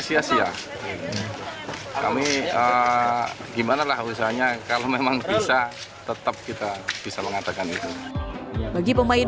sia sia kami gimana lah usahanya kalau memang bisa tetap kita bisa mengatakan itu bagi pemain